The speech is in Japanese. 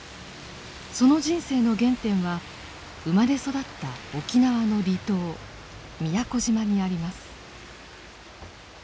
その人生の原点は生まれ育った沖縄の離島宮古島にあります。